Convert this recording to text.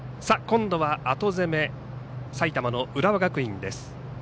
今度は後攻め埼玉の浦和学院です。